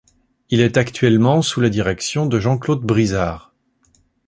Il est actuellement sous la direction de Jean-Claude Brizard.